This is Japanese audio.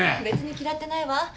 別に嫌ってないわ。